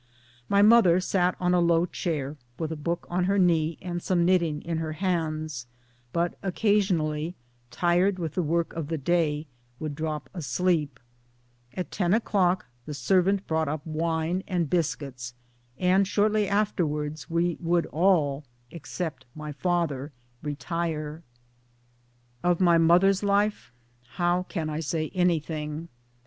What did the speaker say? My mother sat on a low chair, with a book on her knee and some knitting in her hands, but occasionally, tired with the work of the day, would drop asleep ; at ten o'clock the servant brought up wine and biscuits, and shortly afterwards we would all except my father retire. '42 MY DAYS AND. DREAMS Of my mother's life how can I say anything?